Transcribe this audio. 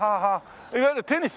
いわゆるテニス？